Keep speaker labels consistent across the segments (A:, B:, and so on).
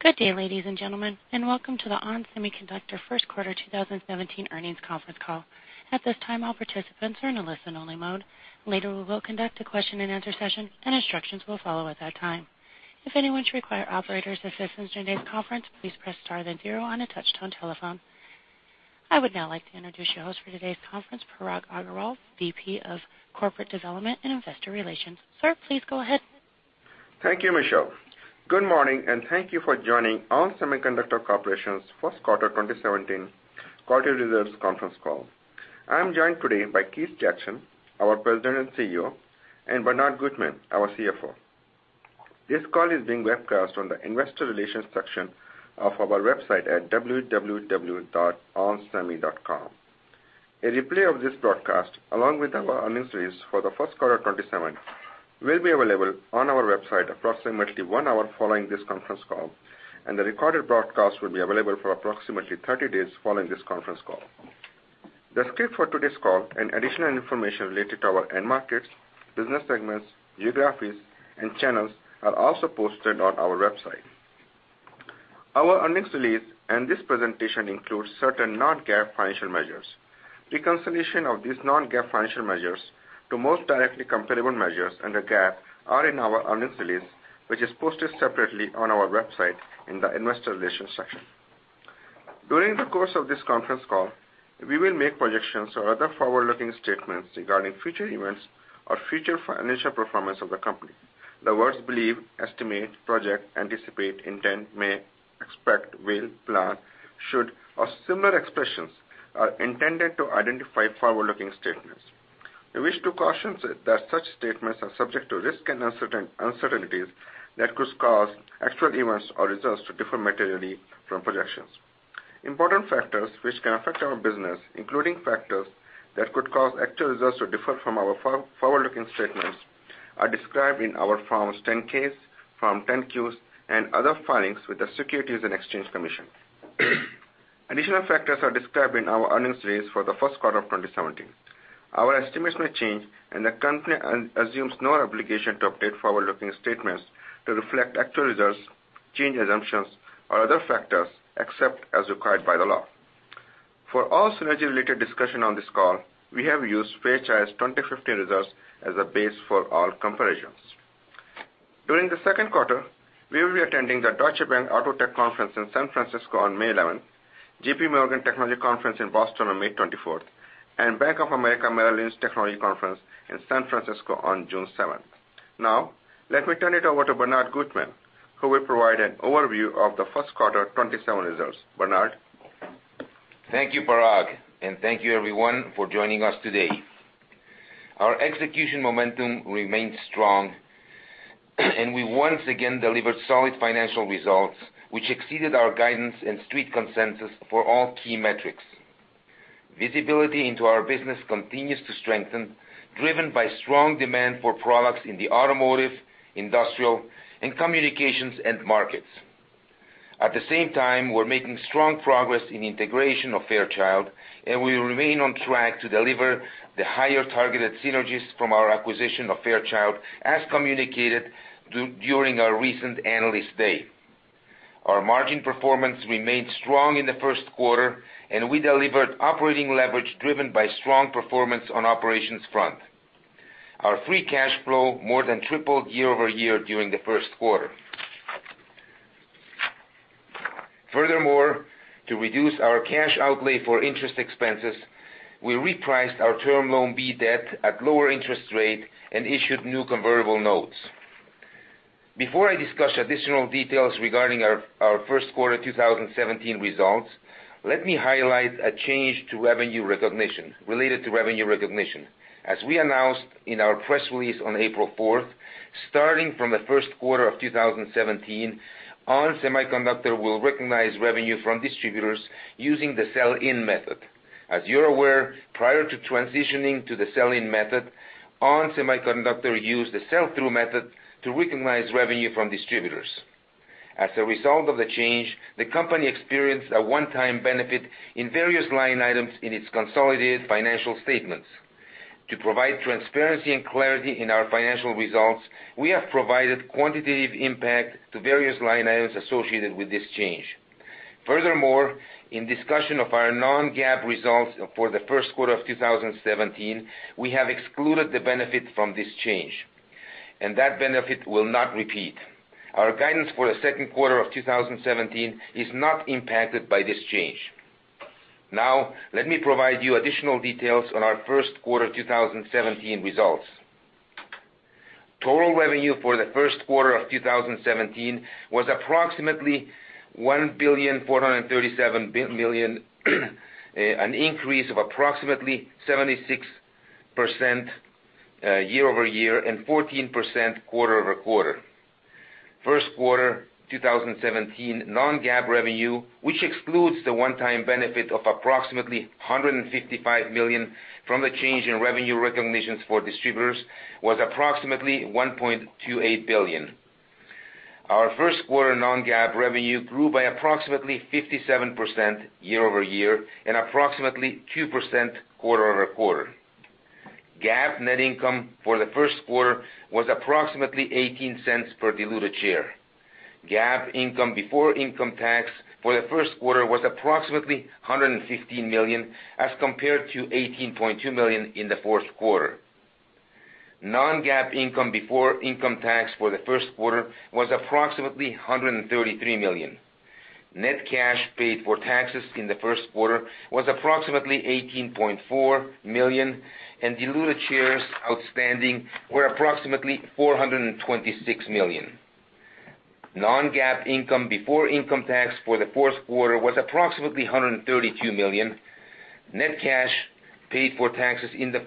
A: Good day, ladies and gentlemen, and welcome to the ON Semiconductor first quarter 2017 earnings conference call. At this time, all participants are in a listen-only mode. Later, we will conduct a question-and-answer session, and instructions will follow at that time. If anyone should require operator assistance during today's conference, please press star then zero on a touch-tone telephone. I would now like to introduce your host for today's conference, Parag Agarwal, VP of Corporate Development and Investor Relations. Sir, please go ahead.
B: Thank you, Michelle. Good morning, and thank you for joining ON Semiconductor Corporation's first quarter 2017 quarterly results conference call. I am joined today by Keith Jackson, our President and CEO, and Bernard Gutmann, our CFO. This call is being webcast on the investor relations section of our website at www.onsemi.com. A replay of this broadcast, along with our earnings release for the first quarter of 2017, will be available on our website approximately one hour following this conference call, and the recorded broadcast will be available for approximately 30 days following this conference call. The script for today's call and additional information related to our end markets, business segments, geographies, and channels are also posted on our website. Our earnings release and this presentation includes certain non-GAAP financial measures. Reconciliation of these non-GAAP financial measures to most directly comparable measures under GAAP are in our earnings release, which is posted separately on our website in the investor relations section. During the course of this conference call, we will make projections or other forward-looking statements regarding future events or future financial performance of the company. The words believe, estimate, project, anticipate, intend, may, expect, will, plan, should, or similar expressions are intended to identify forward-looking statements. We wish to caution that such statements are subject to risks and uncertainties that could cause actual events or results to differ materially from projections. Important factors which can affect our business, including factors that could cause actual results to differ from our forward-looking statements, are described in our Forms 10-Ks, Form 10-Qs, and other filings with the Securities and Exchange Commission. Additional factors are described in our earnings release for the first quarter of 2017. Our estimates may change, and the company assumes no obligation to update forward-looking statements to reflect actual results, change assumptions, or other factors, except as required by the law. For all synergy-related discussion on this call, we have used Fairchild's 2015 results as a base for all comparisons. During the second quarter, we will be attending the Deutsche Bank AutoTech Conference in San Francisco on May 11th, JP Morgan Technology Conference in Boston on May 24th, and Bank of America Merrill Lynch Technology Conference in San Francisco on June 7th. Now, let me turn it over to Bernard Gutmann, who will provide an overview of the first quarter 2017 results. Bernard?
C: Thank you, Parag, and thank you everyone for joining us today. Our execution momentum remains strong. We once again delivered solid financial results, which exceeded our guidance and Street consensus for all key metrics. Visibility into our business continues to strengthen, driven by strong demand for products in the automotive, industrial, and communications end markets. At the same time, we're making strong progress in integration of Fairchild. We remain on track to deliver the higher targeted synergies from our acquisition of Fairchild as communicated during our recent Analyst Day. Our margin performance remained strong in the first quarter. We delivered operating leverage driven by strong performance on operations front. Our free cash flow more than tripled year-over-year during the first quarter. Furthermore, to reduce our cash outlay for interest expenses, we repriced our Term Loan B debt at lower interest rate and issued new convertible notes. Before I discuss additional details regarding our first quarter 2017 results, let me highlight a change related to revenue recognition. As we announced in our press release on April 4th, starting from the first quarter of 2017, ON Semiconductor will recognize revenue from distributors using the sell-in method. As you're aware, prior to transitioning to the sell-in method, ON Semiconductor used the sell-through method to recognize revenue from distributors. As a result of the change, the company experienced a one-time benefit in various line items in its consolidated financial statements. To provide transparency and clarity in our financial results, we have provided quantitative impact to various line items associated with this change. Furthermore, in discussion of our non-GAAP results for the first quarter of 2017, we have excluded the benefit from this change. That benefit will not repeat. Our guidance for the second quarter of 2017 is not impacted by this change. Let me provide you additional details on our first quarter 2017 results. Total revenue for the first quarter of 2017 was approximately $1,437 million, an increase of approximately 76% year-over-year and 14% quarter-over-quarter. First quarter 2017 non-GAAP revenue, which excludes the one-time benefit of approximately $155 million from the change in revenue recognitions for distributors, was approximately $1.28 billion. Our first quarter non-GAAP revenue grew by approximately 57% year-over-year and approximately 2% quarter-over-quarter. GAAP net income for the first quarter was approximately $0.18 per diluted share. GAAP income before income tax for the first quarter was approximately $115 million as compared to $18.2 million in the fourth quarter. Non-GAAP income before income tax for the first quarter was approximately $133 million. Net cash paid for taxes in the first quarter was approximately $18.4 million. Diluted shares outstanding were approximately 426 million. Non-GAAP income before income tax for the fourth quarter was approximately $132 million. Net cash paid for taxes in the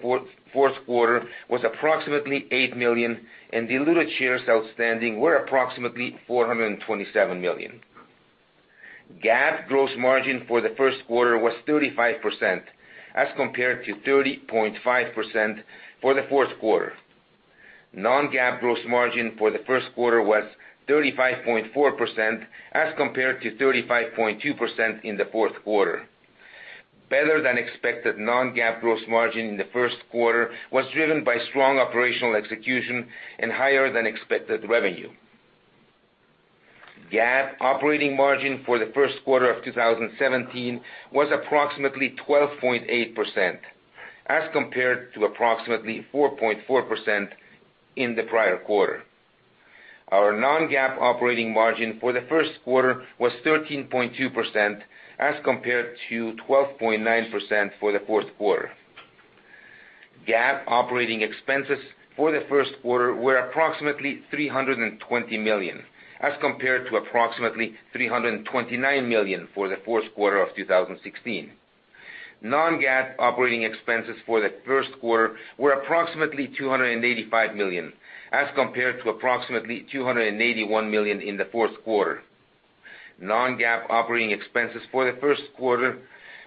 C: fourth quarter was approximately $8 million. Diluted shares outstanding were approximately 427 million. GAAP gross margin for the first quarter was 35% as compared to 30.5% for the fourth quarter. Non-GAAP gross margin for the first quarter was 35.4% as compared to 35.2% in the fourth quarter. Better-than-expected non-GAAP gross margin in the first quarter was driven by strong operational execution and higher-than-expected revenue. GAAP operating margin for the first quarter of 2017 was approximately 12.8%, as compared to approximately 4.4% in the prior quarter. Our non-GAAP operating margin for the first quarter was 13.2%, as compared to 12.9% for the fourth quarter. GAAP operating expenses for the first quarter were approximately $320 million, as compared to approximately $329 million for the fourth quarter of 2016. Non-GAAP operating expenses for the first quarter were approximately $285 million, as compared to approximately $281 million in the fourth quarter. Non-GAAP operating expenses for the first quarter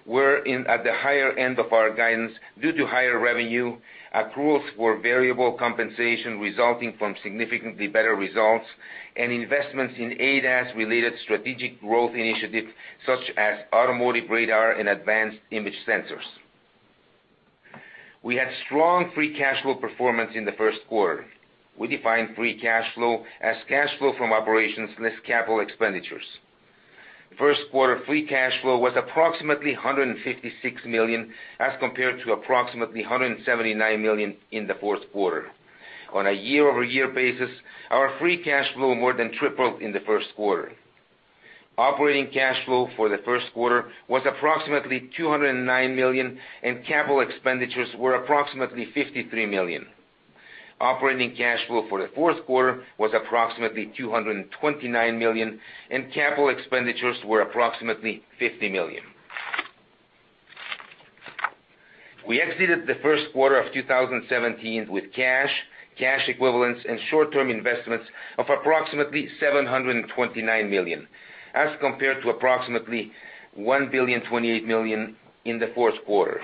C: were in at the higher end of our guidance due to higher revenue, accruals for variable compensation resulting from significantly better results, and investments in ADAS-related strategic growth initiatives such as automotive radar and advanced image sensors. We had strong free cash flow performance in the first quarter. We define free cash flow as cash flow from operations less capital expenditures. First quarter free cash flow was approximately $156 million, as compared to approximately $179 million in the fourth quarter. On a year-over-year basis, our free cash flow more than tripled in the first quarter. Operating cash flow for the first quarter was approximately $209 million, and capital expenditures were approximately $53 million. Operating cash flow for the fourth quarter was approximately $229 million, and capital expenditures were approximately $50 million. We exited the first quarter of 2017 with cash equivalents, and short-term investments of approximately $729 million, as compared to approximately $1,028,000,000 in the fourth quarter.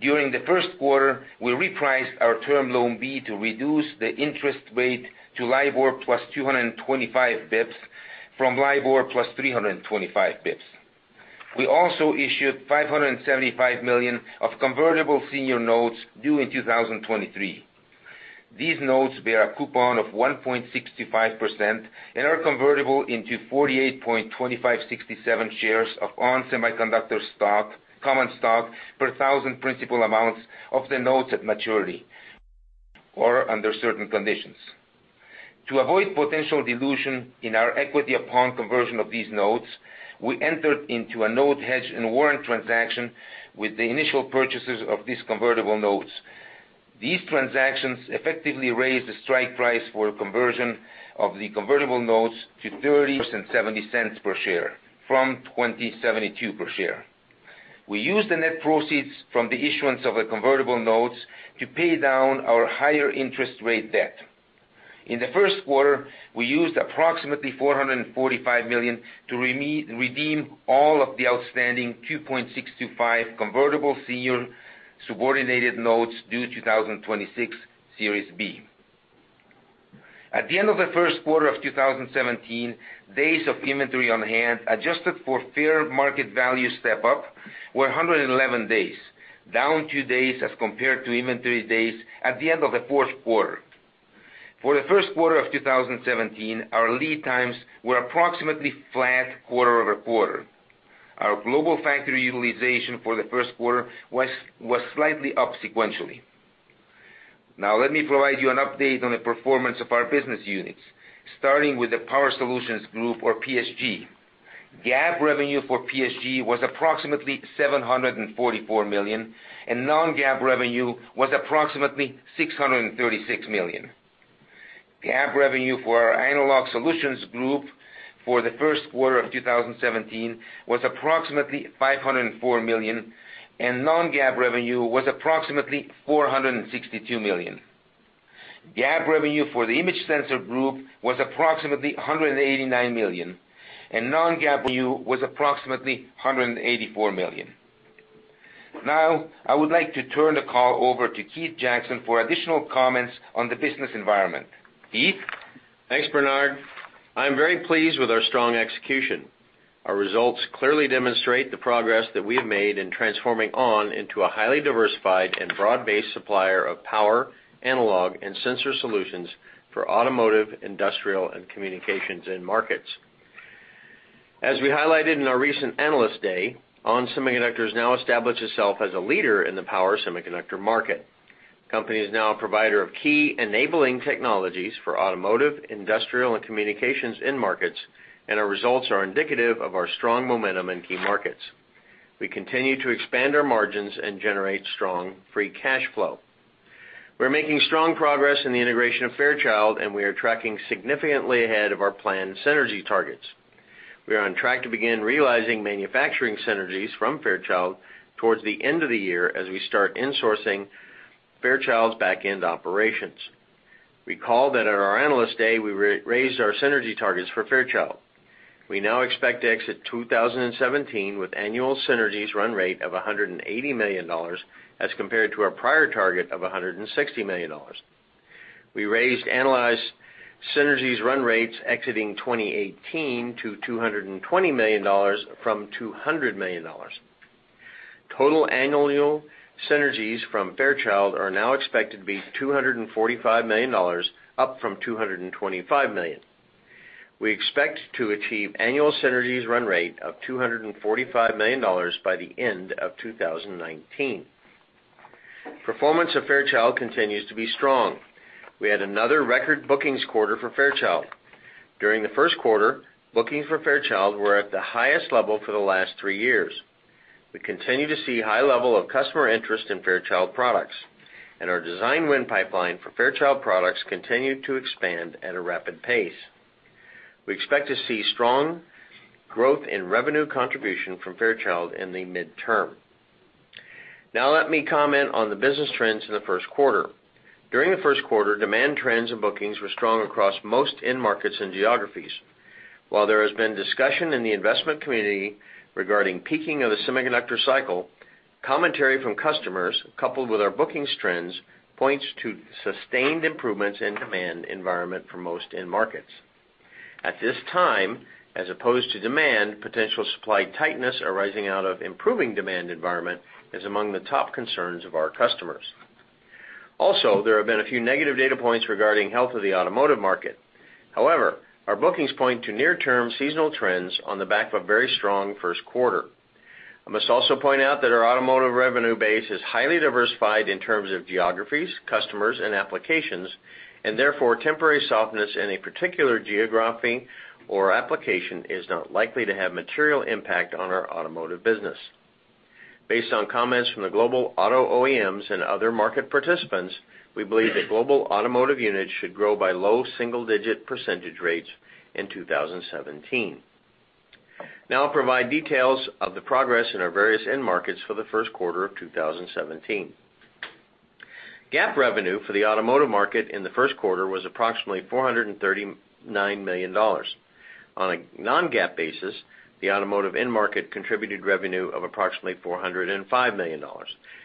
C: During the first quarter, we repriced our Term Loan B to reduce the interest rate to LIBOR plus 225 basis points from LIBOR plus 325 basis points. We also issued $575 million of convertible senior notes due in 2023. These notes bear a coupon of 1.625% and are convertible into 48.2567 shares of ON Semiconductor common stock per $1,000 principal amounts of the notes at maturity or under certain conditions. To avoid potential dilution in our equity upon conversion of these notes, we entered into a note hedge and warrant transaction with the initial purchases of these convertible notes. These transactions effectively raise the strike price for a conversion of the convertible notes to $30.70 per share from $20.72 per share. We used the net proceeds from the issuance of the convertible notes to pay down our higher interest rate debt. In the first quarter, we used approximately $445 million to redeem all of the outstanding 2.625 convertible senior subordinated notes due 2026, Series B. At the end of the first quarter of 2017, days of inventory on hand, adjusted for fair market value step-up, were 111 days, down two days as compared to inventory days at the end of the fourth quarter. For the first quarter of 2017, our lead times were approximately flat quarter-over-quarter. Our global factory utilization for the first quarter was slightly up sequentially. Now let me provide you an update on the performance of our business units, starting with the Power Solutions Group or PSG. GAAP revenue for PSG was approximately $744 million, and non-GAAP revenue was approximately $636 million. GAAP revenue for our Analog Solutions Group for the first quarter of 2017 was approximately $504 million, and non-GAAP revenue was approximately $462 million. GAAP revenue for the Image Sensor Group was approximately $189 million, and non-GAAP revenue was approximately $184 million. Now, I would like to turn the call over to Keith Jackson for additional comments on the business environment. Keith?
D: Thanks, Bernard. I'm very pleased with our strong execution. Our results clearly demonstrate the progress that we have made in transforming ON into a highly diversified and broad-based supplier of power, analog, and sensor solutions for automotive, industrial, and communications end markets. As we highlighted in our recent Analyst Day, ON Semiconductor has now established itself as a leader in the power semiconductor market. The company is now a provider of key enabling technologies for automotive, industrial, and communications end markets, and our results are indicative of our strong momentum in key markets. We continue to expand our margins and generate strong free cash flow. We're making strong progress in the integration of Fairchild, and we are tracking significantly ahead of our planned synergy targets. We are on track to begin realizing manufacturing synergies from Fairchild towards the end of the year as we start insourcing Fairchild's back-end operations. Recall that at our Analyst Day, we raised our synergy targets for Fairchild. We now expect to exit 2017 with annual synergies run rate of $180 million as compared to our prior target of $160 million. We raised annualized synergies run rates exiting 2018 to $220 million from $200 million. Total annual synergies from Fairchild are now expected to be $245 million, up from $225 million. We expect to achieve annual synergies run rate of $245 million by the end of 2019. Performance of Fairchild continues to be strong. We had another record bookings quarter for Fairchild. During the first quarter, bookings for Fairchild were at the highest level for the last three years. We continue to see high level of customer interest in Fairchild products, and our design win pipeline for Fairchild products continue to expand at a rapid pace. We expect to see strong growth in revenue contribution from Fairchild in the midterm. Now let me comment on the business trends in the first quarter. During the first quarter, demand trends and bookings were strong across most end markets and geographies. While there has been discussion in the investment community regarding peaking of the semiconductor cycle, commentary from customers, coupled with our bookings trends, points to sustained improvements in demand environment for most end markets. Also, there have been a few negative data points regarding health of the automotive market. However, our bookings point to near-term seasonal trends on the back of a very strong first quarter. I must also point out that our automotive revenue base is highly diversified in terms of geographies, customers, and applications. Therefore, temporary softness in a particular geography or application is not likely to have material impact on our automotive business. Based on comments from the global auto OEMs and other market participants, we believe that global automotive units should grow by low single-digit percentage rates in 2017. I'll provide details of the progress in our various end markets for the first quarter of 2017. GAAP revenue for the automotive market in the first quarter was approximately $439 million. On a non-GAAP basis, the automotive end market contributed revenue of approximately $405 million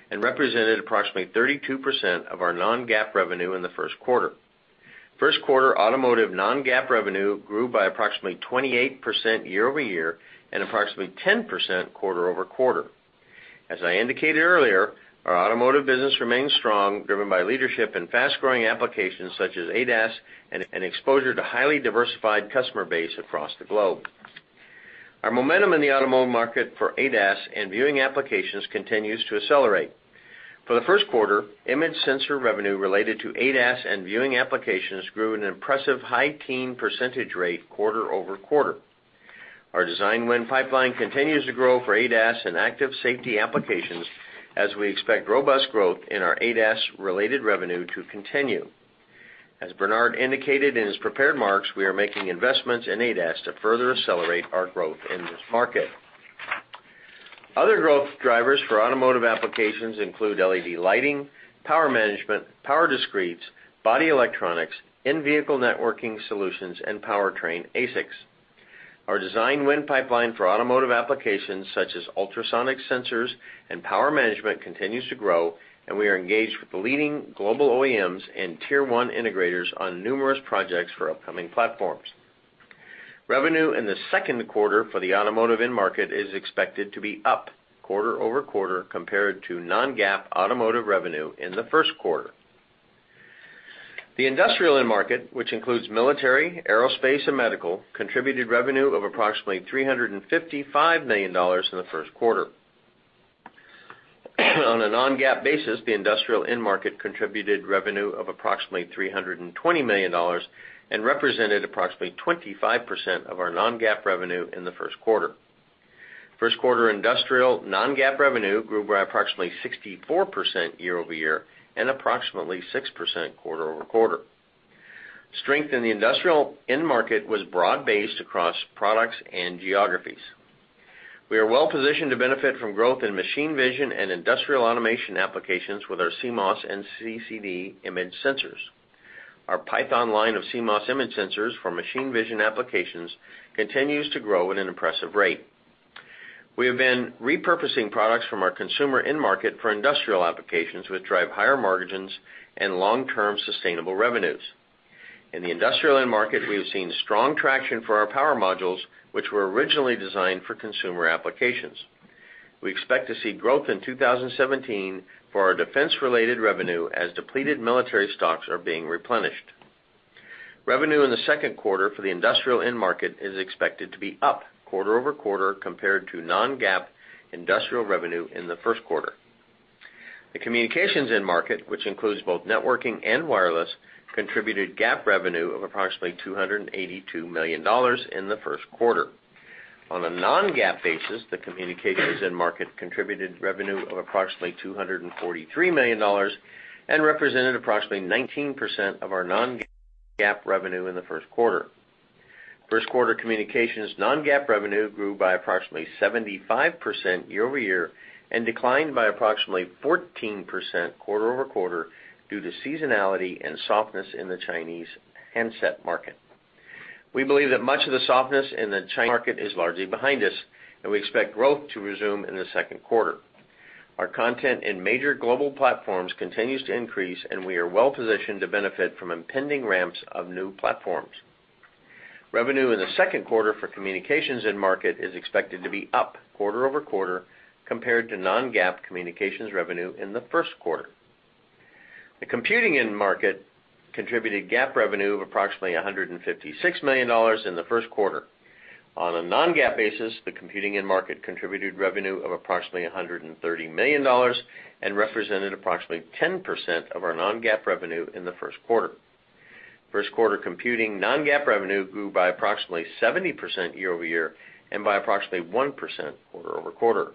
D: and represented approximately 32% of our non-GAAP revenue in the first quarter. First quarter automotive non-GAAP revenue grew by approximately 28% year-over-year and approximately 10% quarter-over-quarter. As I indicated earlier, our automotive business remains strong, driven by leadership in fast-growing applications such as ADAS and exposure to highly diversified customer base across the globe. Our momentum in the automotive market for ADAS and viewing applications continues to accelerate. For the first quarter, image sensor revenue related to ADAS and viewing applications grew an impressive high teen percentage rate quarter-over-quarter. Our design win pipeline continues to grow for ADAS and active safety applications, as we expect robust growth in our ADAS-related revenue to continue. As Bernard indicated in his prepared remarks, we are making investments in ADAS to further accelerate our growth in this market. Other growth drivers for automotive applications include LED lighting, power management, power discretes, body electronics, in-vehicle networking solutions, and powertrain ASICs. Our design win pipeline for automotive applications such as ultrasonic sensors and power management continues to grow. We are engaged with the leading global OEMs and tier 1 integrators on numerous projects for upcoming platforms. Revenue in the second quarter for the automotive end market is expected to be up quarter-over-quarter compared to non-GAAP automotive revenue in the first quarter. The industrial end market, which includes military, aerospace, and medical, contributed revenue of approximately $355 million in the first quarter. On a non-GAAP basis, the industrial end market contributed revenue of approximately $320 million and represented approximately 25% of our non-GAAP revenue in the first quarter. First quarter industrial non-GAAP revenue grew by approximately 64% year-over-year and approximately 6% quarter-over-quarter. Strength in the industrial end market was broad-based across products and geographies. We are well positioned to benefit from growth in machine vision and industrial automation applications with our CMOS and CCD image sensors. Our PYTHON line of CMOS image sensors for machine vision applications continues to grow at an impressive rate. We have been repurposing products from our consumer end market for industrial applications, which drive higher margins and long-term sustainable revenues. In the industrial end market, we have seen strong traction for our power modules, which were originally designed for consumer applications. We expect to see growth in 2017 for our defense-related revenue as depleted military stocks are being replenished. Revenue in the second quarter for the industrial end market is expected to be up quarter-over-quarter compared to non-GAAP industrial revenue in the first quarter. The communications end market, which includes both networking and wireless, contributed GAAP revenue of approximately $282 million in the first quarter. On a non-GAAP basis, the communications end market contributed revenue of approximately $243 million and represented approximately 19% of our non-GAAP revenue in the first quarter. First quarter communications non-GAAP revenue grew by approximately 75% year-over-year and declined by approximately 14% quarter-over-quarter due to seasonality and softness in the Chinese handset market. We believe that much of the softness in the Chinese market is largely behind us, and we expect growth to resume in the second quarter. Our content in major global platforms continues to increase, and we are well positioned to benefit from impending ramps of new platforms. Revenue in the second quarter for communications end market is expected to be up quarter-over-quarter compared to non-GAAP communications revenue in the first quarter. The computing end market contributed GAAP revenue of approximately $156 million in the first quarter. On a non-GAAP basis, the computing end market contributed revenue of approximately $130 million and represented approximately 10% of our non-GAAP revenue in the first quarter. First quarter computing non-GAAP revenue grew by approximately 70% year-over-year and by approximately 1% quarter-over-quarter.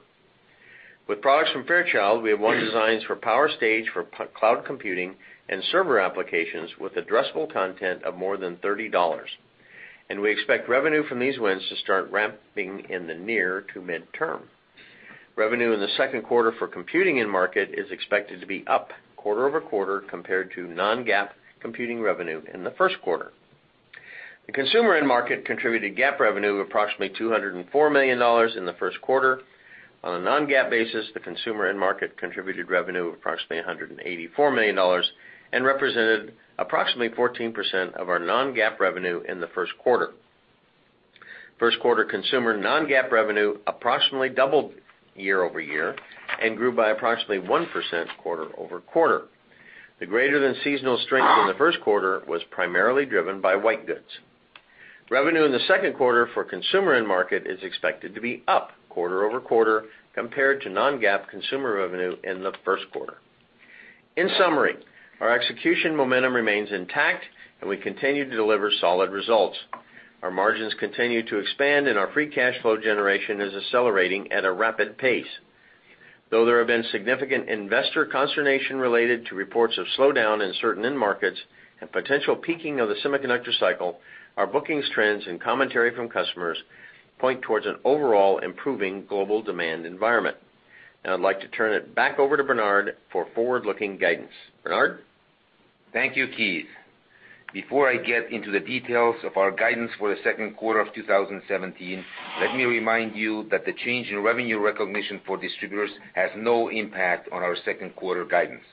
D: With products from Fairchild, we have won designs for power stage for cloud computing and server applications with addressable content of more than $30, and we expect revenue from these wins to start ramping in the near to midterm. Revenue in the second quarter for computing end market is expected to be up quarter-over-quarter compared to non-GAAP computing revenue in the first quarter. The consumer end market contributed GAAP revenue of approximately $204 million in the first quarter. On a non-GAAP basis, the consumer end market contributed revenue of approximately $184 million and represented approximately 14% of our non-GAAP revenue in the first quarter. First quarter consumer non-GAAP revenue approximately doubled year-over-year and grew by approximately 1% quarter-over-quarter. The greater than seasonal strength in the first quarter was primarily driven by white goods. Revenue in the second quarter for consumer end market is expected to be up quarter-over-quarter compared to non-GAAP consumer revenue in the first quarter. In summary, our execution momentum remains intact, and we continue to deliver solid results. Our margins continue to expand, and our free cash flow generation is accelerating at a rapid pace. Though there have been significant investor consternation related to reports of slowdown in certain end markets and potential peaking of the semiconductor cycle, our bookings trends and commentary from customers point towards an overall improving global demand environment. Now I'd like to turn it back over to Bernard for forward-looking guidance. Bernard?
C: Thank you, Keith. Before I get into the details of our guidance for the second quarter of 2017, let me remind you that the change in revenue recognition for distributors has no impact on our second quarter guidance.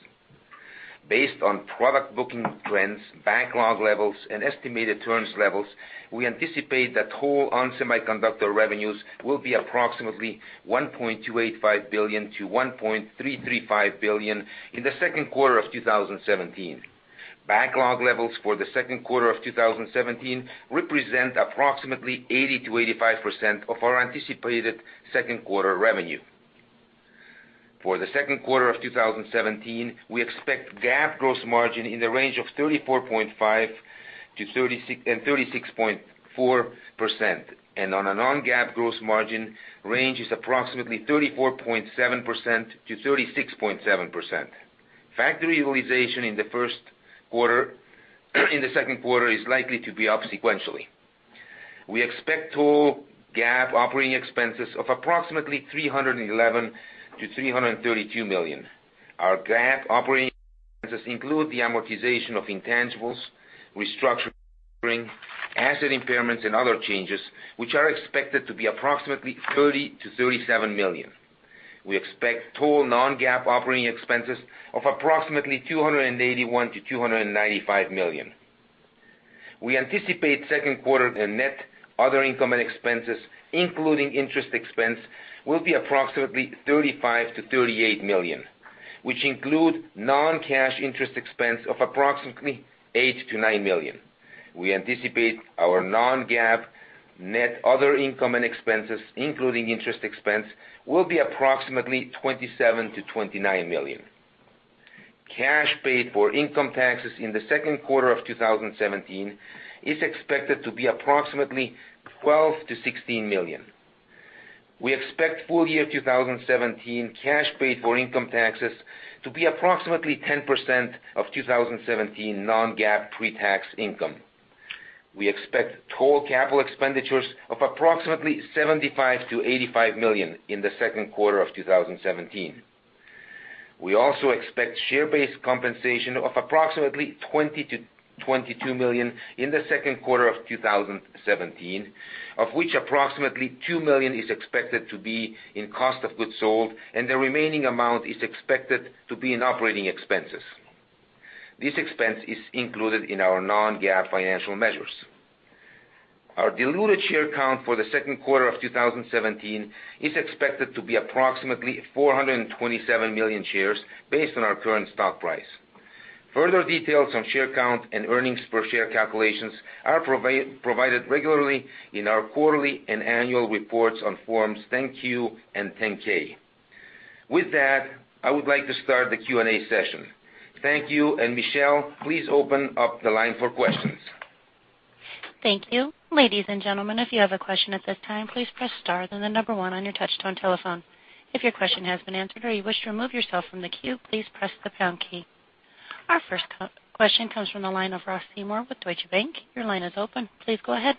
C: Based on product booking trends, backlog levels, and estimated turns levels, we anticipate that total ON Semiconductor revenues will be approximately $1.285 billion to $1.335 billion in the second quarter of 2017. Backlog levels for the second quarter of 2017 represent approximately 80%-85% of our anticipated second quarter revenue. For the second quarter of 2017, we expect GAAP gross margin in the range of 34.5%-36.4%, and on a non-GAAP gross margin range is approximately 34.7%-36.7%. Factory utilization in the second quarter is likely to be up sequentially. We expect total GAAP operating expenses of approximately $311 million-$332 million. Our GAAP operating expenses include the amortization of intangibles, restructuring, asset impairments, and other changes, which are expected to be approximately $30 million-$37 million. We expect total non-GAAP operating expenses of approximately $281 million-$295 million. We anticipate second quarter net other income and expenses, including interest expense, will be approximately $35 million-$38 million, which include non-cash interest expense of approximately $8 million-$9 million. We anticipate our non-GAAP net other income and expenses, including interest expense, will be approximately $27 million-$29 million. Cash paid for income taxes in the second quarter of 2017 is expected to be approximately $12 million-$16 million. We expect full year 2017 cash paid for income taxes to be approximately 10% of 2017 non-GAAP pre-tax income. We expect total capital expenditures of approximately $75 million-$85 million in the second quarter of 2017. We also expect share-based compensation of approximately $20 million-$22 million in the second quarter of 2017, of which approximately $2 million is expected to be in cost of goods sold and the remaining amount is expected to be in operating expenses. This expense is included in our non-GAAP financial measures. Our diluted share count for the second quarter of 2017 is expected to be approximately 427 million shares based on our current stock price. Further details on share count and earnings per share calculations are provided regularly in our quarterly and annual reports on forms 10-Q and 10-K. With that, I would like to start the Q&A session. Thank you, and Michelle, please open up the line for questions.
A: Thank you. Ladies and gentlemen, if you have a question at this time, please press star, then the number one on your touch-tone telephone. If your question has been answered or you wish to remove yourself from the queue, please press the pound key. Our first question comes from the line of Ross Seymore with Deutsche Bank. Your line is open. Please go ahead.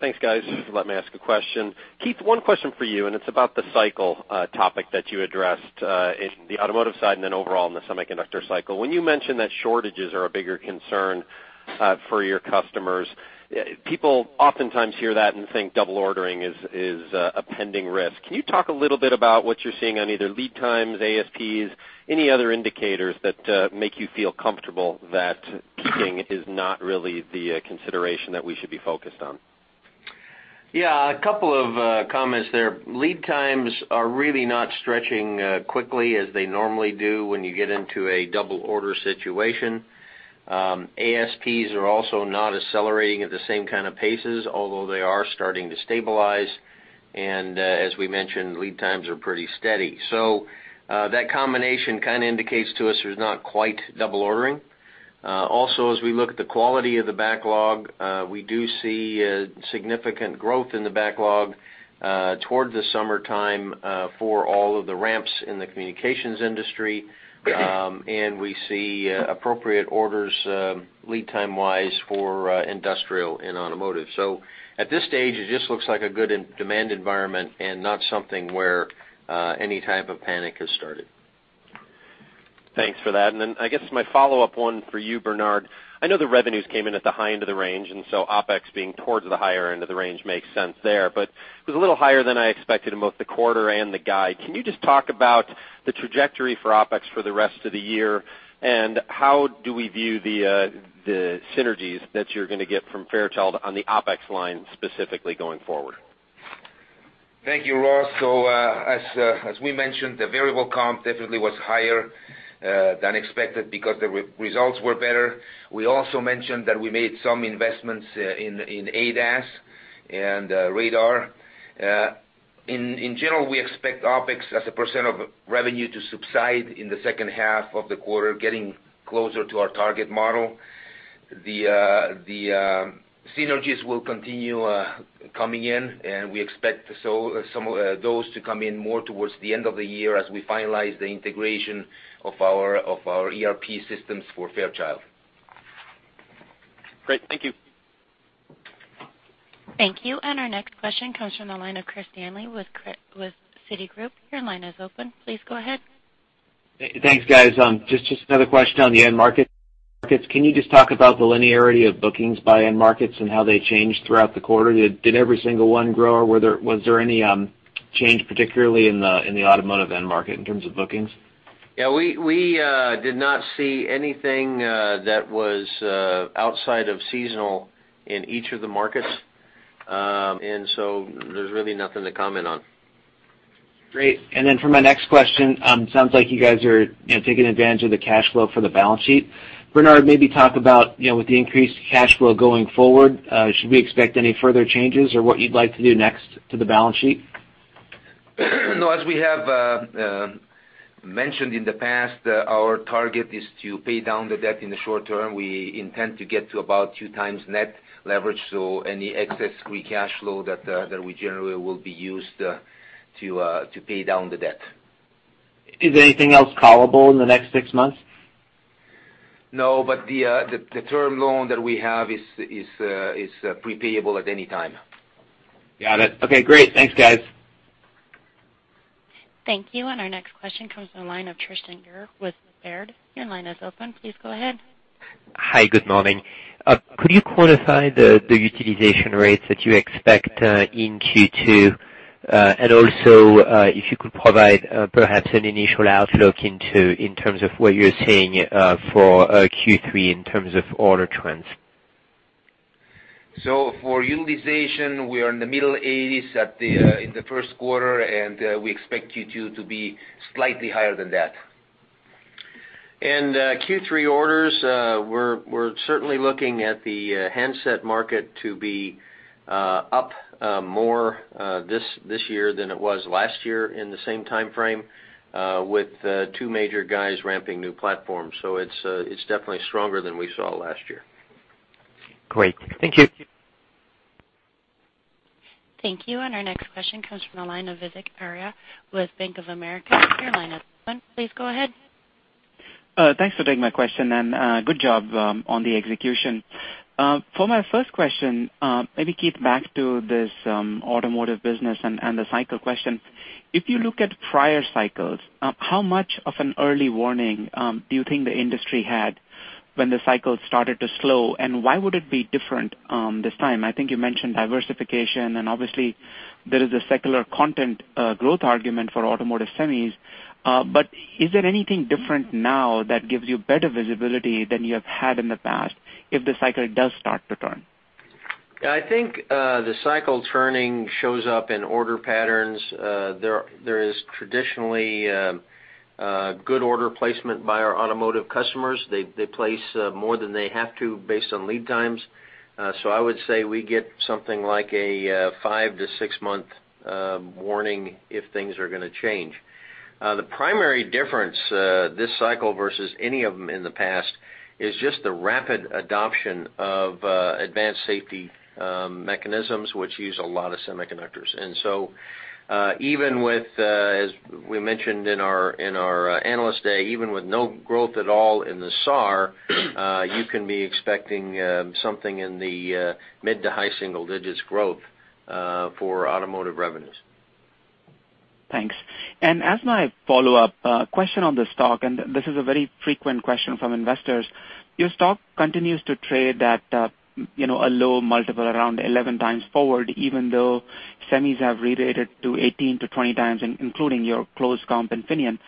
E: Thanks, guys. Let me ask a question. Keith, one question for you, it's about the cycle topic that you addressed in the automotive side and overall in the semiconductor cycle. When you mentioned that shortages are a bigger concern for your customers, people oftentimes hear that think double ordering is a pending risk. Can you talk a little bit about what you're seeing on either lead times, ASPs, any other indicators that make you feel comfortable that peaking is not really the consideration that we should be focused on?
D: A couple of comments there. Lead times are really not stretching quickly as they normally do when you get into a double order situation. ASPs are also not accelerating at the same kind of paces, although they are starting to stabilize. As we mentioned, lead times are pretty steady. That combination kind of indicates to us there's not quite double ordering. Also, as we look at the quality of the backlog, we do see significant growth in the backlog toward the summertime for all of the ramps in the communications industry, and we see appropriate orders lead time-wise for industrial and automotive. At this stage, it just looks like a good demand environment and not something where any type of panic has started.
E: Thanks for that. I guess my follow-up one for you, Bernard. I know the revenues came in at the high end of the range, OpEx being towards the higher end of the range makes sense there, it was a little higher than I expected in both the quarter and the guide. Can you just talk about the trajectory for OpEx for the rest of the year, and how do we view the synergies that you're going to get from Fairchild on the OpEx line specifically going forward?
C: Thank you, Ross. As we mentioned, the variable comp definitely was higher than expected because the results were better. We also mentioned that we made some investments in ADAS and radar. In general, we expect OpEx as a percent of revenue to subside in the second half of the quarter, getting closer to our target model. The synergies will continue coming in, and we expect some of those to come in more towards the end of the year as we finalize the integration of our ERP systems for Fairchild.
E: Great. Thank you.
A: Thank you. Our next question comes from the line of Christopher Danely with Citigroup. Your line is open. Please go ahead.
F: Thanks, guys. Just another question on the end markets. Can you just talk about the linearity of bookings by end markets and how they changed throughout the quarter? Did every single one grow, or was there any change, particularly in the automotive end market in terms of bookings?
D: Yeah, we did not see anything that was outside of seasonal in each of the markets. There's really nothing to comment on.
F: Great. For my next question, sounds like you guys are taking advantage of the cash flow for the balance sheet. Bernard, maybe talk about with the increased cash flow going forward, should we expect any further changes or what you'd like to do next to the balance sheet?
C: No, as we have mentioned in the past, our target is to pay down the debt in the short term. We intend to get to about two times net leverage. Any excess free cash flow that we generate will be used to pay down the debt.
F: Is anything else callable in the next six months?
C: No, the term loan that we have is pre-payable at any time.
F: Got it. Okay, great. Thanks, guys.
A: Thank you. Our next question comes from the line of Tristan Gerra with Baird. Your line is open. Please go ahead.
G: Hi, good morning. Could you quantify the utilization rates that you expect in Q2? Also, if you could provide perhaps an initial outlook in terms of what you're seeing for Q3 in terms of order trends.
C: For utilization, we are in the middle eighties in the first quarter, and we expect Q2 to be slightly higher than that.
D: Q3 orders, we're certainly looking at the handset market to be up more this year than it was last year in the same time frame with two major guys ramping new platforms. It's definitely stronger than we saw last year.
G: Great. Thank you.
A: Thank you. Our next question comes from the line of Vivek Arya with Bank of America. Your line is open. Please go ahead.
H: Thanks for taking my question, and good job on the execution. For my first question, maybe, Keith, back to this automotive business and the cycle question. If you look at prior cycles, how much of an early warning do you think the industry had when the cycle started to slow, and why would it be different this time? I think you mentioned diversification, and obviously there is a secular content growth argument for automotive semis. Is there anything different now that gives you better visibility than you have had in the past if the cycle does start to turn?
D: I think the cycle turning shows up in order patterns. There is traditionally good order placement by our automotive customers. They place more than they have to based on lead times. I would say we get something like a five to six-month warning if things are going to change. The primary difference this cycle versus any of them in the past is just the rapid adoption of advanced safety mechanisms, which use a lot of semiconductors. Even with, as we mentioned in our Analyst Day, even with no growth at all in the SAAR, you can be expecting something in the mid to high single digits growth for automotive revenues.
H: Thanks. As my follow-up question on the stock, this is a very frequent question from investors, your stock continues to trade at a low multiple, around 11 times forward, even though semis have re-rated to 18x-20x, including your close comp, Infineon.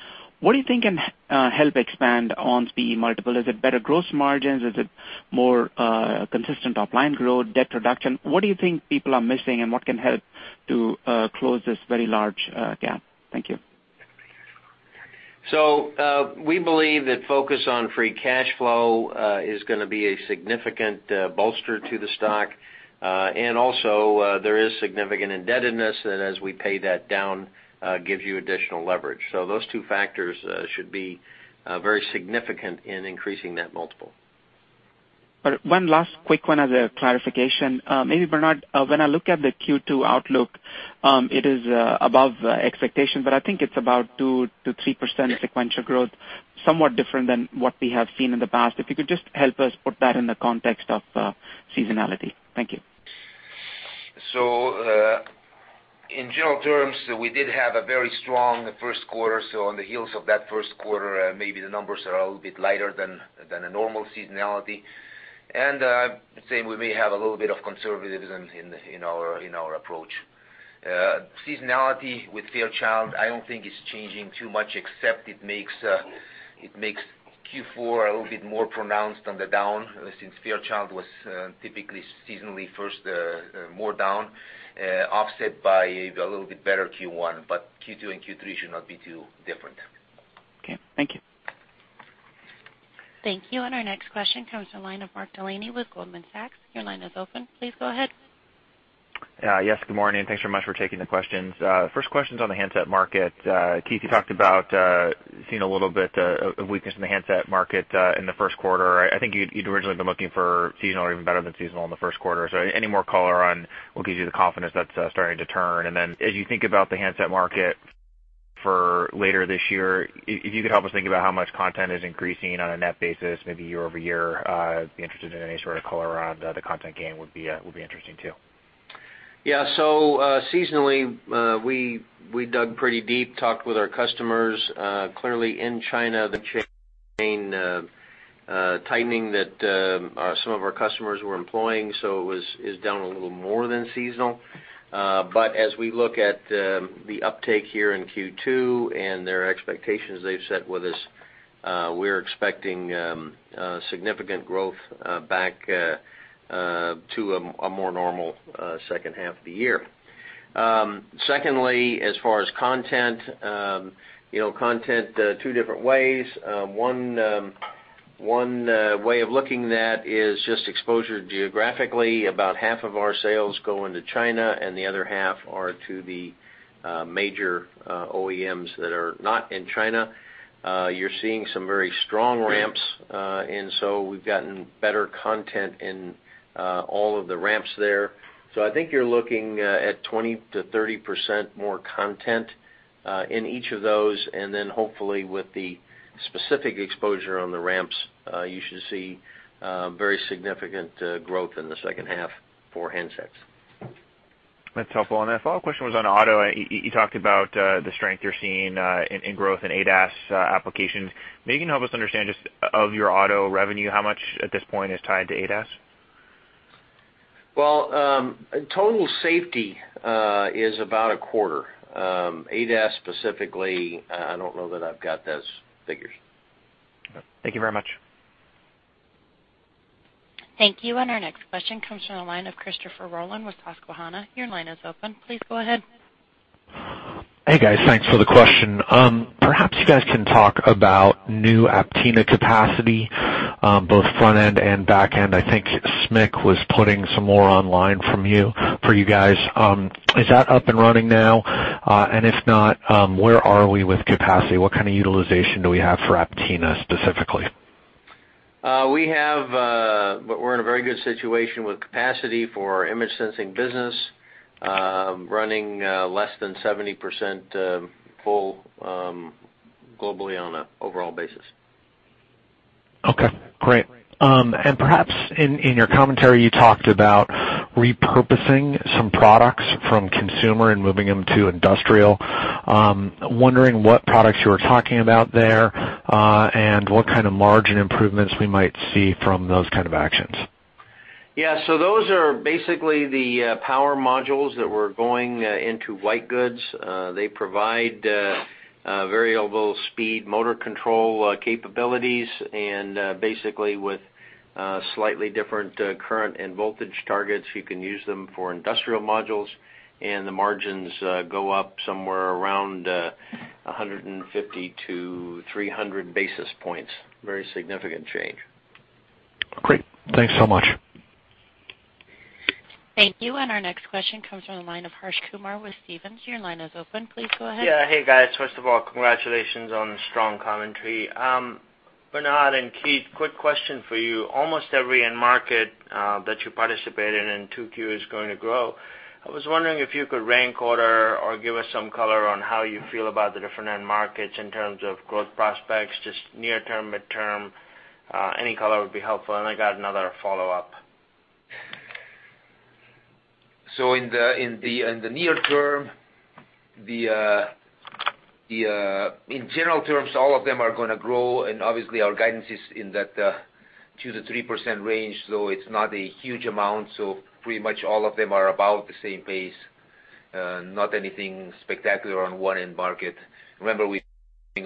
H: What do you think can help expand ON Semi's multiple? Is it better gross margins? Is it more consistent top-line growth, debt reduction? What do you think people are missing, and what can help to close this very large gap? Thank you.
D: We believe that focus on free cash flow is going to be a significant bolster to the stock. Also there is significant indebtedness that as we pay that down, gives you additional leverage. Those two factors should be very significant in increasing that multiple.
H: One last quick one as a clarification. Maybe Bernard, when I look at the Q2 outlook, it is above expectation, but I think it's about 2% to 3% sequential growth, somewhat different than what we have seen in the past. If you could just help us put that in the context of seasonality. Thank you.
C: In general terms, we did have a very strong first quarter. On the heels of that first quarter, maybe the numbers are a little bit lighter than a normal seasonality. Same, we may have a little bit of conservatism in our approach. Seasonality with Fairchild, I don't think is changing too much, except it makes Q4 a little bit more pronounced on the down since Fairchild was typically seasonally first, more down, offset by a little bit better Q1. Q2 and Q3 should not be too different.
H: Okay. Thank you.
A: Thank you. Our next question comes from the line of Mark Delaney with Goldman Sachs. Your line is open. Please go ahead.
I: Yes, good morning, and thanks very much for taking the questions. First question's on the handset market. Keith, you talked about seeing a little bit of weakness in the handset market in the first quarter. I think you'd originally been looking for seasonal or even better than seasonal in the first quarter. Any more color on what gives you the confidence that's starting to turn? Then as you think about the handset market for later this year, if you could help us think about how much content is increasing on a net basis, maybe year-over-year, be interested in any sort of color around the content gain would be interesting too.
D: Seasonally, we dug pretty deep, talked with our customers. Clearly in China, the chain tightening that some of our customers were employing, so it is down a little more than seasonal. As we look at the uptake here in Q2 and their expectations they've set with us, we're expecting significant growth back to a more normal second half of the year. Secondly, as far as content two different ways. One way of looking that is just exposure geographically. About half of our sales go into China, and the other half are to the major OEMs that are not in China. You're seeing some very strong ramps, we've gotten better content in all of the ramps there. I think you're looking at 20%-30% more content in each of those. Hopefully with the specific exposure on the ramps, you should see very significant growth in the second half for handsets.
I: That's helpful. My follow-up question was on auto. You talked about the strength you're seeing in growth in ADAS applications. Maybe you can help us understand just of your auto revenue, how much at this point is tied to ADAS?
D: Well, total safety is about a quarter. ADAS specifically, I don't know that I've got those figures.
I: Thank you very much.
A: Thank you. Our next question comes from the line of Christopher Rolland with Susquehanna. Your line is open. Please go ahead.
J: Hey, guys. Thanks for the question. Perhaps you guys can talk about new Aptina capacity, both front end and back end. I think SMIC was putting some more online for you guys. Is that up and running now? If not, where are we with capacity? What kind of utilization do we have for Aptina specifically? We're in a very good situation with capacity for our image sensing business, running less than 70% full globally on an overall basis. Okay, great. Perhaps in your commentary, you talked about repurposing some products from consumer and moving them to industrial. I'm wondering what products you were talking about there, and what kind of margin improvements we might see from those kind of actions.
D: Those are basically the power modules that were going into white goods. They provide variable speed motor control capabilities, and basically with slightly different current and voltage targets, you can use them for industrial modules, and the margins go up somewhere around 150 to 300 basis points. Very significant change.
J: Great. Thanks so much.
A: Thank you. Our next question comes from the line of Harsh Kumar with Stephens. Your line is open. Please go ahead.
K: Yeah. Hey, guys. First of all, congratulations on the strong commentary. Bernard and Keith, quick question for you. Almost every end market that you participate in in 2Q is going to grow. I was wondering if you could rank order or give us some color on how you feel about the different end markets in terms of growth prospects, just near term, midterm. Any color would be helpful, and I got another follow-up.
C: In the near term, in general terms, all of them are going to grow, obviously our guidance is in that 2%-3% range, so it's not a huge amount. Pretty much all of them are about the same pace. Not anything spectacular on one end market. Remember, we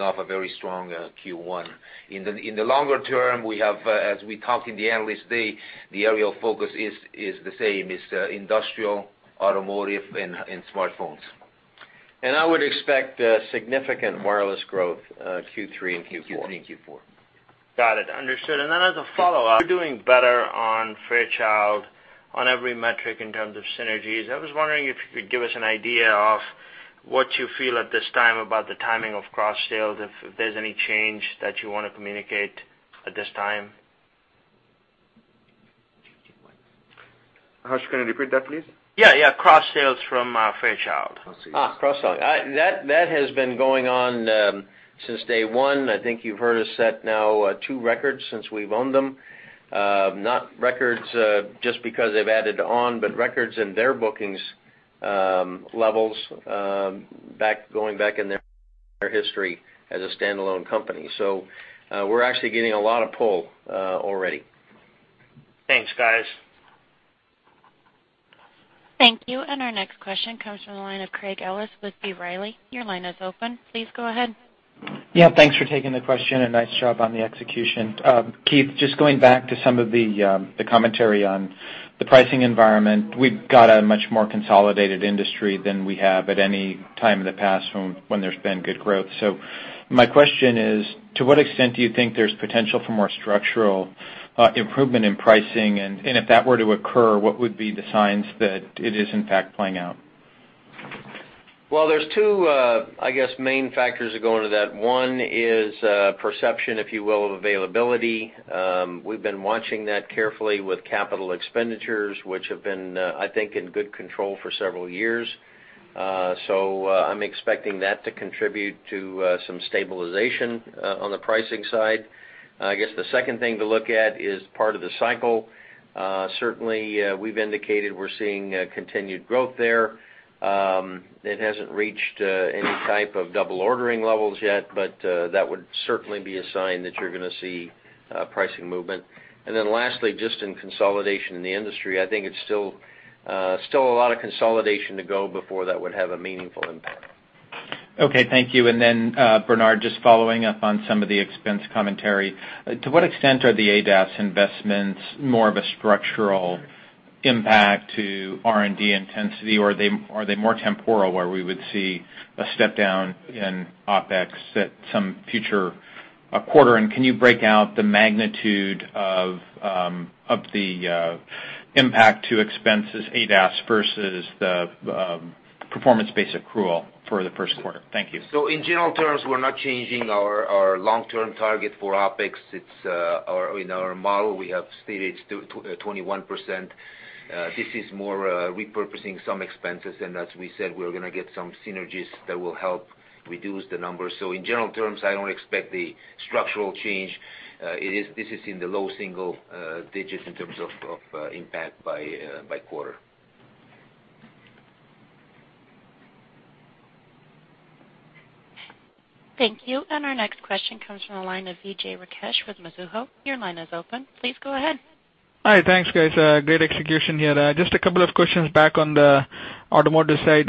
C: off a very strong Q1. In the longer term, we have, as we talked in the Analyst Day, the area of focus is the same. It's industrial, automotive, and smartphones.
D: I would expect significant wireless growth, Q3 and Q4.
C: Q3 and Q4.
K: Got it. Understood. As a follow-up, you're doing better on Fairchild on every metric in terms of synergies. I was wondering if you could give us an idea of what you feel at this time about the timing of cross-sales, if there's any change that you want to communicate at this time.
C: Harsh, can you repeat that, please?
K: Yeah. Cross sales from Fairchild.
D: Cross sell. That has been going on since day one. I think you've heard us set now two records since we've owned them. Not records just because they've added on, but records in their bookings levels going back in their history as a standalone company. We're actually getting a lot of pull already.
K: Thanks, guys.
A: Thank you. Our next question comes from the line of Craig Ellis with B. Riley. Your line is open. Please go ahead.
L: Yeah, thanks for taking the question, and nice job on the execution. Keith, just going back to some of the commentary on the pricing environment. We've got a much more consolidated industry than we have at any time in the past when there's been good growth. My question is, to what extent do you think there's potential for more structural improvement in pricing? If that were to occur, what would be the signs that it is in fact playing out?
D: Well, there's two, I guess, main factors that go into that. One is perception, if you will, of availability. We've been watching that carefully with capital expenditures, which have been, I think, in good control for several years. I'm expecting that to contribute to some stabilization on the pricing side. I guess the second thing to look at is part of the cycle. Certainly, we've indicated we're seeing continued growth there. It hasn't reached any type of double ordering levels yet, but that would certainly be a sign that you're going to see pricing movement. Then lastly, just in consolidation in the industry, I think it's still a lot of consolidation to go before that would have a meaningful impact.
L: Okay, thank you. Then, Bernard, just following up on some of the expense commentary. To what extent are the ADAS investments more of a structural impact to R&D intensity? Or are they more temporal, where we would see a step down in OpEx at some future quarter? Can you break out the magnitude of the impact to expenses, ADAS versus the performance-based accrual for the first quarter? Thank you.
C: In general terms, we're not changing our long-term target for OpEx. In our model, we have stated it's 21%. This is more repurposing some expenses, as we said, we're going to get some synergies that will help reduce the numbers. In general terms, I don't expect the structural change. This is in the low single digits in terms of impact by quarter.
A: Thank you. Our next question comes from the line of Vijay Rakesh with Mizuho. Your line is open. Please go ahead.
M: Hi, thanks guys. Great execution here. Just a couple of questions back on the automotive side.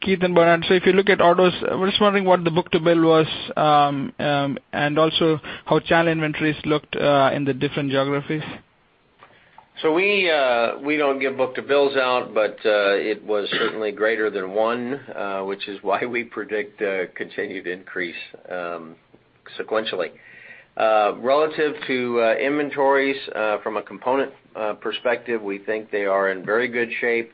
M: Keith and Bernard, if you look at autos, we're just wondering what the book to bill was, also how channel inventories looked in the different geographies.
D: We don't give book to bills out, it was certainly greater than one, which is why we predict a continued increase sequentially. Relative to inventory From a component perspective, we think they are in very good shape.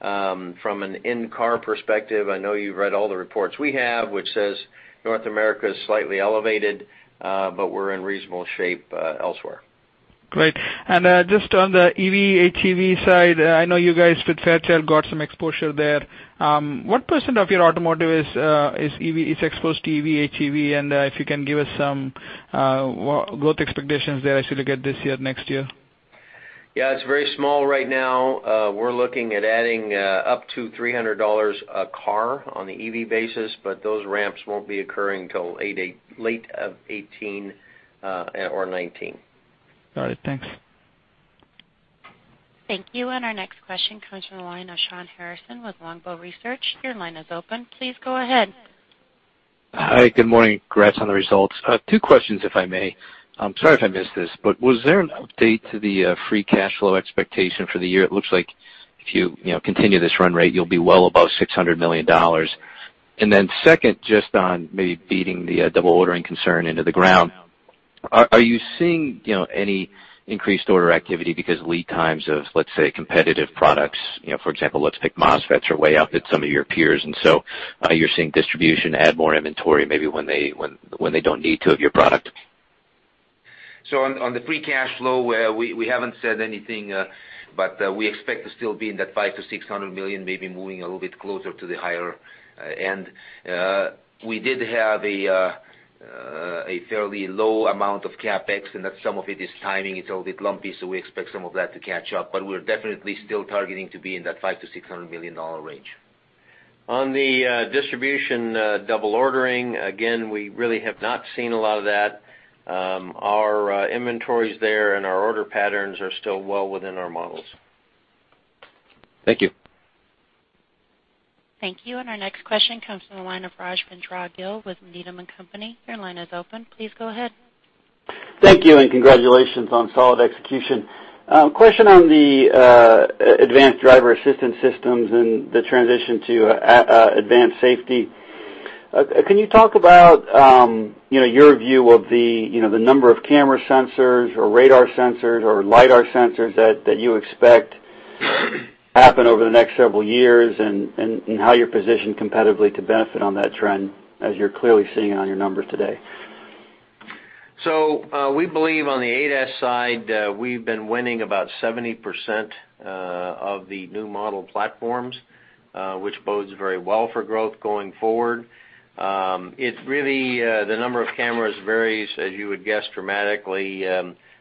D: From an in-car perspective, I know you've read all the reports we have, which says North America is slightly elevated, we're in reasonable shape elsewhere.
M: Great. Just on the EV HEV side, I know you guys with Fairchild got some exposure there. What % of your automotive is exposed to EV, HEV? If you can give us some growth expectations there as we look at this year, next year.
D: Yeah, it's very small right now. We're looking at adding up to $300 a car on the EV basis, those ramps won't be occurring until late of 2018 or 2019.
M: Got it. Thanks.
A: Thank you. Our next question comes from the line of Shawn Harrison with Longbow Research. Your line is open. Please go ahead.
N: Hi. Good morning. Congrats on the results. Two questions, if I may. Sorry if I missed this. Was there an update to the free cash flow expectation for the year? It looks like if you continue this run rate, you'll be well above $600 million. Second, just on maybe beating the double ordering concern into the ground, are you seeing any increased order activity because lead times of, let's say, competitive products, for example, let's pick MOSFETs, are way up at some of your peers, and so are you seeing distribution add more inventory maybe when they don't need to of your product?
C: On the free cash flow, we haven't said anything, but we expect to still be in that $500 million-$600 million, maybe moving a little bit closer to the higher end. We did have a fairly low amount of CapEx, and some of it is timing. It's a little bit lumpy, so we expect some of that to catch up. We're definitely still targeting to be in that $500 million-$600 million range.
D: On the distribution double ordering, again, we really have not seen a lot of that. Our inventories there and our order patterns are still well within our models.
N: Thank you.
A: Thank you. Our next question comes from the line of Rajvindra Gill with Needham & Company. Your line is open. Please go ahead.
O: Thank you. Congratulations on solid execution. Question on the advanced driver assistance systems and the transition to advanced safety. Can you talk about your view of the number of camera sensors or radar sensors or lidar sensors that you expect to happen over the next several years and how you're positioned competitively to benefit on that trend as you're clearly seeing it on your numbers today?
D: We believe on the ADAS side, we've been winning about 70% of the new model platforms, which bodes very well for growth going forward. The number of cameras varies, as you would guess, dramatically,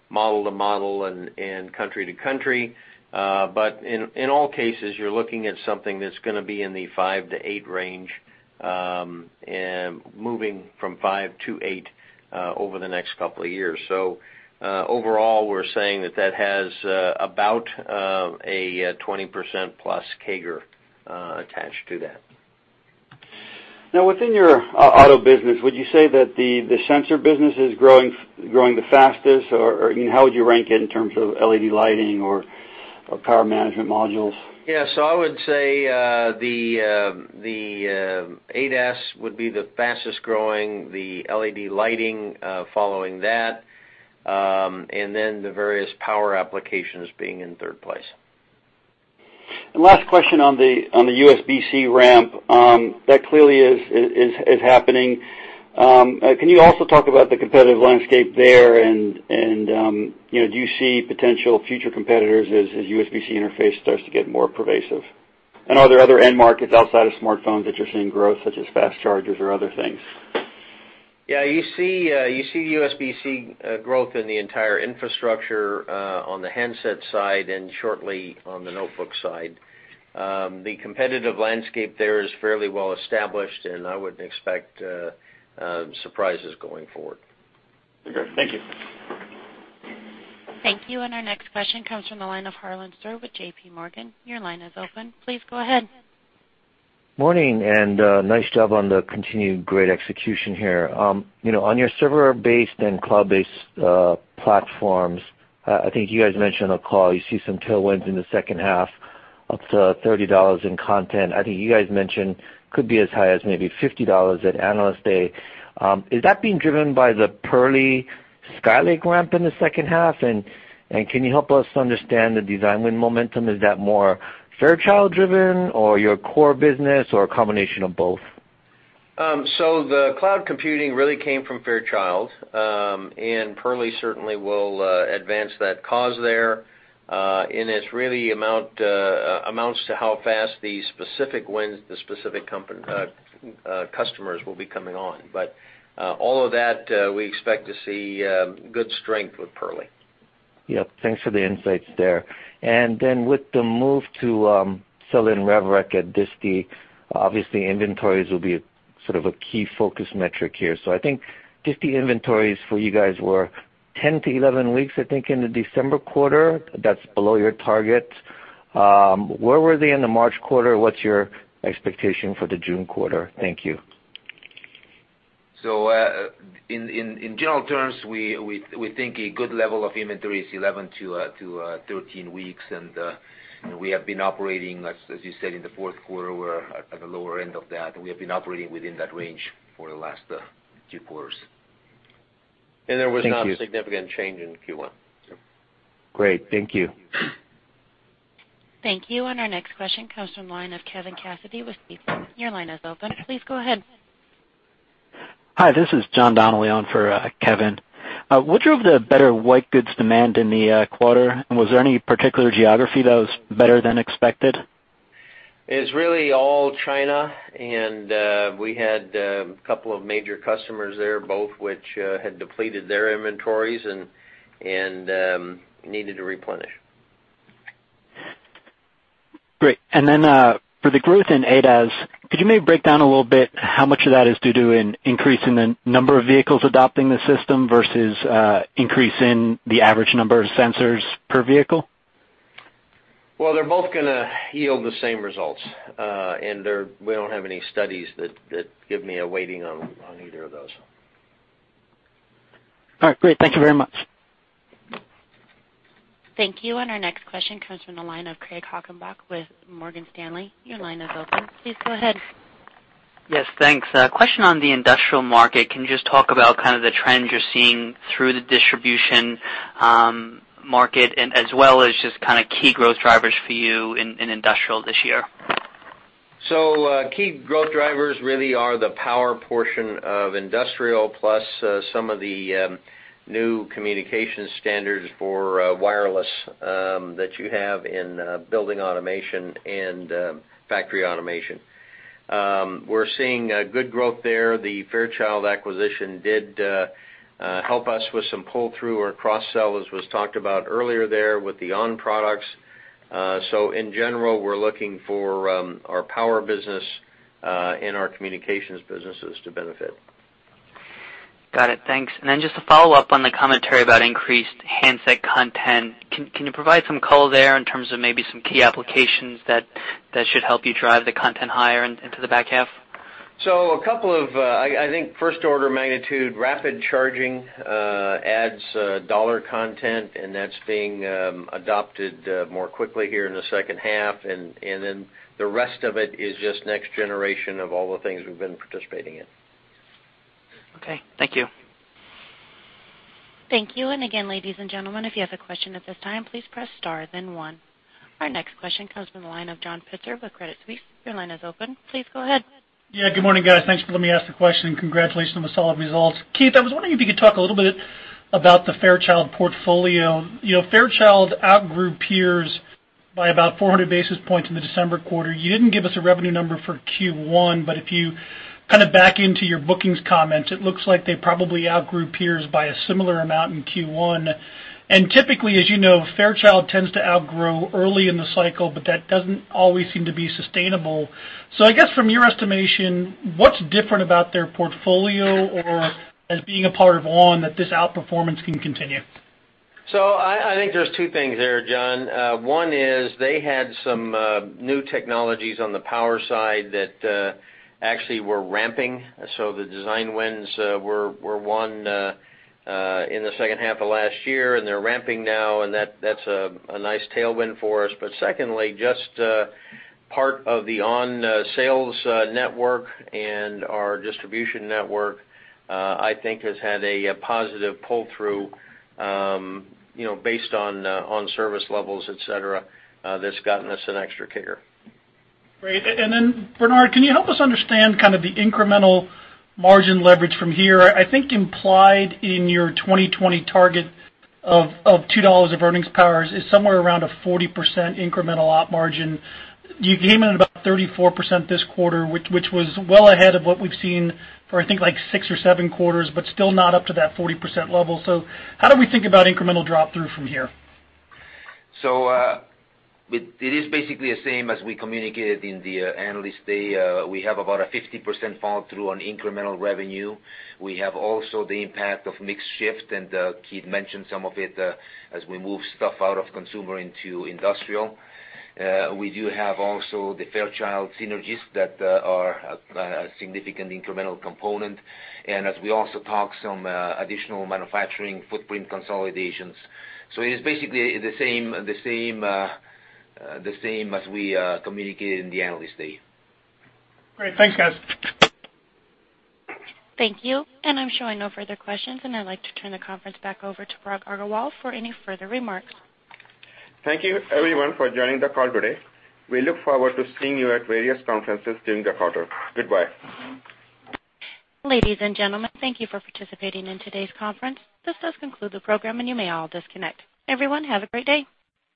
D: model to model and country to country. In all cases, you're looking at something that's going to be in the five to eight range, moving from five to eight over the next couple of years. Overall, we're saying that that has about a 20% plus CAGR attached to that.
O: Now, within your auto business, would you say that the sensor business is growing the fastest? Or how would you rank it in terms of LED lighting or power management modules?
D: Yeah. I would say the ADAS would be the fastest-growing, the LED lighting following that, and then the various power applications being in third place.
O: Last question on the USB-C ramp. That clearly is happening. Can you also talk about the competitive landscape there? Do you see potential future competitors as USB-C interface starts to get more pervasive? Are there other end markets outside of smartphones that you're seeing growth, such as fast chargers or other things?
D: Yeah, you see USB-C growth in the entire infrastructure on the handset side and shortly on the notebook side. The competitive landscape there is fairly well established, and I wouldn't expect surprises going forward.
O: Okay. Thank you.
A: Thank you. Our next question comes from the line of Harlan Sur with J.P. Morgan. Your line is open. Please go ahead.
P: Morning, nice job on the continued great execution here. On your server-based and cloud-based platforms, I think you guys mentioned on the call you see some tailwinds in the second half up to $30 in content. I think you guys mentioned could be as high as maybe $50 at Analyst Day. Is that being driven by the Purley Skylake ramp in the second half? Can you help us understand the design win momentum? Is that more Fairchild driven or your core business or a combination of both?
D: The cloud computing really came from Fairchild. Purley certainly will advance that cause there, and it really amounts to how fast the specific wins the specific customers will be coming on. All of that, we expect to see good strength with Purley.
P: Yep. Thanks for the insights there. Then with the move to sell-in RevRec at this, obviously inventories will be sort of a key focus metric here. I think just the inventories for you guys were 10 to 11 weeks, I think, in the December quarter. That's below your target. Where were they in the March quarter? What's your expectation for the June quarter? Thank you.
C: In general terms, we think a good level of inventory is 11 to 13 weeks, and we have been operating, as you said, in the fourth quarter, we're at the lower end of that. We have been operating within that range for the last two quarters.
D: There was not a significant change in Q1.
P: Great. Thank you.
A: Thank you. Our next question comes from the line of Kevin Cassidy with Stifel. Your line is open. Please go ahead.
Q: Hi, this is John Donnelly on for Kevin. What drove the better white goods demand in the quarter, and was there any particular geography that was better than expected?
D: It's really all China, and we had a couple of major customers there, both which had depleted their inventories and needed to replenish.
Q: Great. For the growth in ADAS, could you maybe break down a little bit how much of that is due to an increase in the number of vehicles adopting the system versus increase in the average number of sensors per vehicle?
D: Well, they're both going to yield the same results, and we don't have any studies that give me a weighting on either of those.
Q: All right, great. Thank you very much.
A: Thank you. Our next question comes from the line of Craig Hettenbach with Morgan Stanley. Your line is open. Please go ahead.
R: Yes, thanks. A question on the industrial market. Can you just talk about kind of the trends you're seeing through the distribution market and as well as just kind of key growth drivers for you in industrial this year?
D: Key growth drivers really are the power portion of industrial plus some of the new communication standards for wireless that you have in building automation and factory automation. We're seeing good growth there. The Fairchild acquisition did help us with some pull-through or cross-sell, as was talked about earlier there with the ON products. In general, we're looking for our power business and our communications businesses to benefit.
R: Got it. Thanks. Then just a follow-up on the commentary about increased handset content. Can you provide some color there in terms of maybe some key applications that should help you drive the content higher into the back half?
D: A couple of, I think, first order magnitude rapid charging adds dollar content, and that's being adopted more quickly here in the second half. Then the rest of it is just the next generation of all the things we've been participating in.
R: Okay. Thank you.
A: Thank you. Again, ladies and gentlemen, if you have a question at this time, please press star then one. Our next question comes from the line of John Pitzer with Credit Suisse. Your line is open. Please go ahead.
S: Yeah, good morning, guys. Thanks for letting me ask the question, and congratulations on the solid results. Keith, I was wondering if you could talk a little bit about the Fairchild portfolio. Fairchild outgrew peers by about 400 basis points in the December quarter. You didn't give us a revenue number for Q1, but if you kind of back into your bookings comments, it looks like they probably outgrew peers by a similar amount in Q1. Typically, as you know, Fairchild tends to outgrow early in the cycle, but that doesn't always seem to be sustainable. I guess from your estimation, what's different about their portfolio or as being a part of ON that this outperformance can continue?
D: I think there's two things there, John. One is they had some new technologies on the power side that actually were ramping. The design wins were won in the second half of last year, and they're ramping now, and that's a nice tailwind for us. Secondly, just part of the ON sales network and our distribution network, I think, has had a positive pull-through, based on service levels, et cetera, that's gotten us an extra kicker.
S: Great. Bernard, can you help us understand kind of the incremental margin leverage from here? I think implied in your 2020 target of $2 of earnings power is somewhere around a 40% incremental op margin. You came in at about 34% this quarter, which was well ahead of what we've seen for I think six or seven quarters but still not up to that 40% level. How do we think about incremental drop-through from here?
C: It is basically the same as we communicated in the Analyst Day. We have about a 50% fall through on incremental revenue. We have also the impact of mix shift, and Keith mentioned some of it as we move stuff out of consumer into industrial. We do have also the Fairchild synergies that are a significant incremental component. As we also talk some additional manufacturing footprint consolidations. It is basically the same as we communicated in the Analyst Day.
S: Great. Thanks, guys.
A: Thank you. I'm showing no further questions, and I'd like to turn the conference back over to Parag Agarwal for any further remarks.
B: Thank you everyone for joining the call today. We look forward to seeing you at various conferences during the quarter. Goodbye.
A: Ladies and gentlemen, thank you for participating in today's conference. This does conclude the program, and you may all disconnect. Everyone, have a great day.